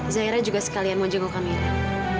zahira juga sekalian mau jengok amirah